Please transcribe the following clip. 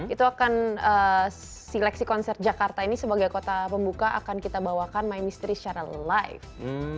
itu akan sileksi konser jakarta ini sebagai kota pembuka akan kita bawakan my misteri secara live